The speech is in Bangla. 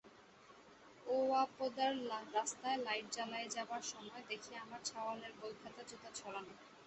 ওয়াপদার রাস্তায় লাইট জ্বালায়ে যাবার সময় দেখি আমার ছাওয়ালের বই-খাতা-জুতা ছড়ানো।